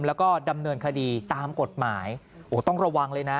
แล้วก็ดำเนินคดีตามกฎหมายโอ้โหต้องระวังเลยนะ